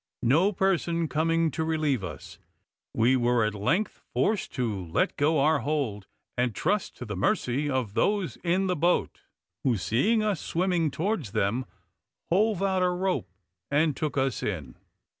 No person coming to relieve us, we were at length forced to let go our hold, and trust to the mercy of those in the boat, who seeing us swimming towards them, hove out a rope and took us in.